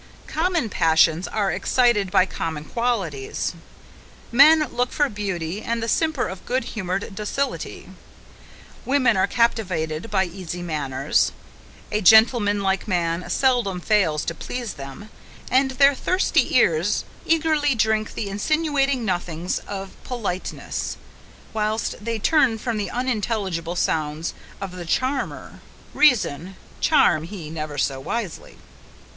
Common passions are excited by common qualities. Men look for beauty and the simper of good humoured docility: women are captivated by easy manners: a gentleman like man seldom fails to please them, and their thirsty ears eagerly drink the insinuating nothings of politeness, whilst they turn from the unintelligible sounds of the charmer reason, charm he never so wisely.